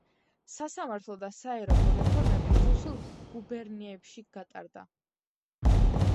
სასამართლო და საერობო რეფორმები რუსულ გუბერნიებში გატარდა.